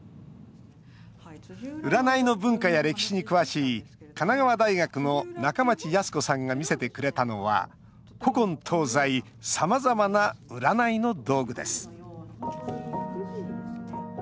占いの文化や歴史に詳しい神奈川大学の中町泰子さんが見せてくれたのは、古今東西さまざまな占いの道具です